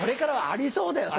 ありそうです